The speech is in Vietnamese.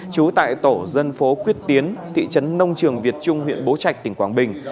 trú tại tổ dân phố quyết tiến thị trấn nông trường việt trung huyện bố trạch tỉnh quảng bình